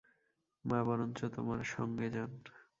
মা বরঞ্চ তোমার সঙ্গে যান।